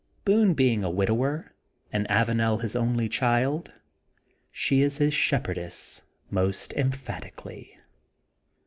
Boone being a widower and Avanel his only child, she is his shepherdess most emphat ically.